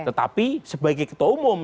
tetapi sebagai ketua umum